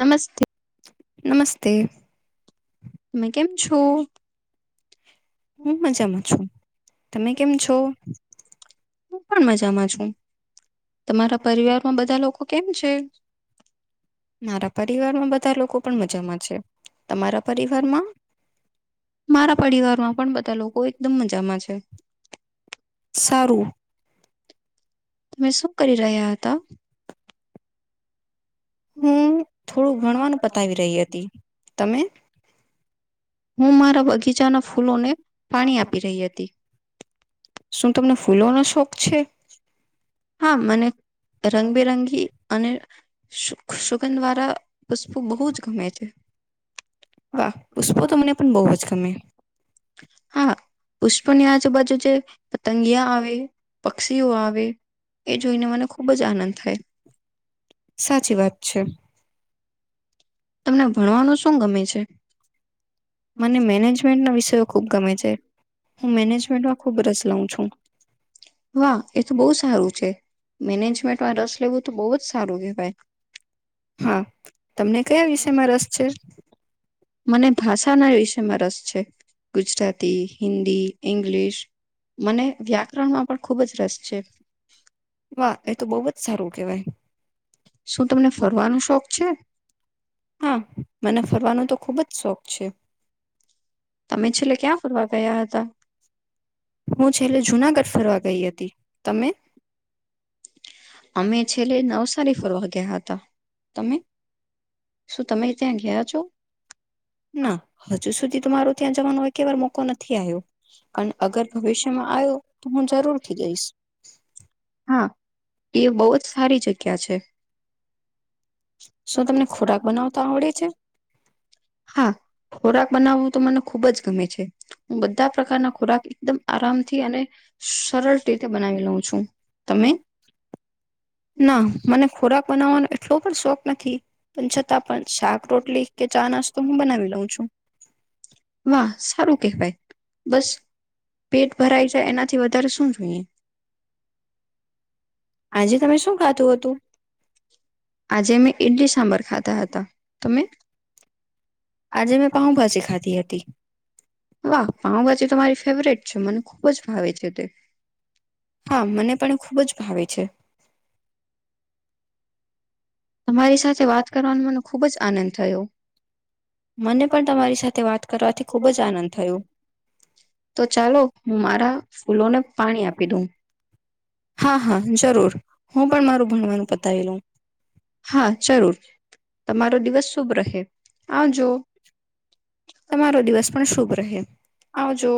નમસ્તે. તે તમે કેમ છો. હું મજામાં છું તમે કેમ છો. હું પણ મજામાં છ. મારા પરિવારમાં બધા લોકો પણ મજામાં છે તમારા પરિવારમાં. મારા પરિવારમાં પણ બધા લોકો એકદમ મજામાં છે. તમે શું કરી રહ્યા હતા. હું થોડું ઘણવાનું પતાવી રહી હતી તમે. હું મારા બગીચાનો. ફૂને. પાણી આપી રહી હતી. શું તમને ફૂલો ન શ. થોક છે. હા મને રંગબેરંગી અને સુગંધ દ્વારા પુષ્પો બહુ જ ગમે છે. વાહ પુષ્પો તો મને પણ બહુ જ ગમે. પુષ્પ ની આજુબાજુ જે પતંગિયા આવે પક્ષીઓ આવે. એ જોઈને મને ખુબ જ આનંદ થાય. હ [unintelligible] સાચી વાત છે. તમને ભણવાનું શું ગમે છે. એ બ સારું છે મેમેન્ટ રસ લેવ તો બ સારું કે. હા તમને. મને ભાષા ના વિષ મા. છે. ગુજરાતી હિન્દી ઇંગ્લિષ. મને વ્યાકરણ માં પણ ખુબ જ. દશ્ય. વાહ એ તો બહુ જ સારું કેવાય. હા મને ફરવાનું તો ખુબ જ શોખ. છે. તમે છેલ્લે ક્યાં ફરવા ગયા હતા. હું છેલ્લે જુનાગઢ ફરવા ગઈ હતી તમે? અમે છેલ્લે નવસારી ફરવા ગયા હતા તમે? ના હજુ સુધી તમાર ત્યાં જવાનો એકવાર મોકો નથી આવ્યો પણ અગર ભવિષ્યમાં આવ્યો તો હું જરૂર થી જઈશ હા એ બવ જ સારી જગ્યા છે. છે તો તમને ખોરાક બનાવતા આવડે છેને? હા ખોરાક બનાવવું તો મને ખુબ જ ગમે છે હું બધા પ્રકારના ખોરાક એકદમ આરામથી અને સરળ રીતે બનાવી લઉ છું. તમે ના મને ખોરાક બનાવવાનો હ છો [inaudible] ચા નાસ્તો હું બનાવી લવ છું. વાહ સારું કેહેવાય. બસ પેટ ભરાય જાય એનાથી વધારે શું જોઈએ. આજે તમે શું ખાતું હતું? આજે મેં ઈડલી સાંબર ખાધા હતા. તમે? આજે મેં પાઉંભાજી ખાધી હતી. હા પાઉભાજી તો મારી ફેવરેટ છે મને ખુબ જ ભાવે છે તે હા મને પણ ખુબ જ ભાવે છે તમારી સાથે વાત કરવાનો મને ખૂબ જ આનંદ થયો મને પણ તમારી સાથે વાત કરવાથી ખૂબ જ આનંદ થયો. તો ચાલો હું મારા ફૂલોને પાણી આપી દઉ. હા હા જરૂર હું પણ મારું ભણવાનું પતાવી લઉં. હા જરૂર તમારો દિવસ શુભ રહે આવજો. તમારો રહે. આવજો